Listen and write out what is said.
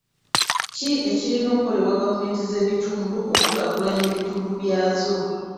Ki ekirina okukolebwa gavumenti z'ebitundu okukulaakulanya ebitundu byazo.